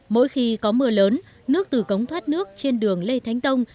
mỗi khi có mưa lớn nước từ cống thoát nước trên đường lê thánh tông